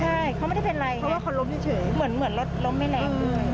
ใช่เขาไม่ได้เป็นไรเพราะว่าเขาล้มเฉยเหมือนรถล้มไม่แรงด้วย